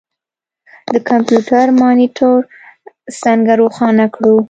د کمپیوټر مانیټر څنګه روښانه کړو.